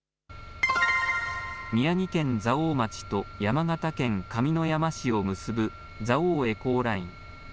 宮城県蔵王町と山形県上山市を結ぶ蔵王エコーライン。